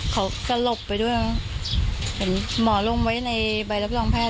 เขาก็หลบไปด้วยเห็นหมอลงไว้ในใบรับรองแพทย์ว่าสลบ